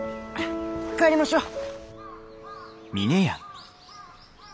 帰りましょう。